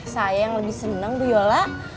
saya yang lebih senang bu yola